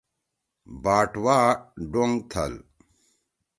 باٹ وا ڈونگ تھل۔